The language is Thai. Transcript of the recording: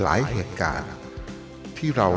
อายุที่แกอีน้อย